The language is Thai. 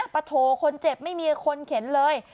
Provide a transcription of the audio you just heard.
โถคนเจ็บไม่มีคนเข็นเลย